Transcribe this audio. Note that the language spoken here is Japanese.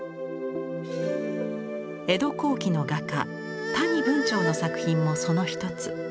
江戸後期の画家谷文晁の作品もその一つ。